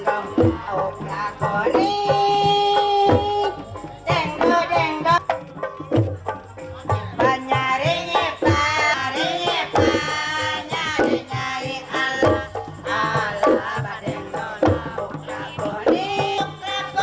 nah bahkan aroma per wsiksa yang disenapkanusikan yang terhadap bahan utama covid sembilan belas ini bertundak berbeda gitu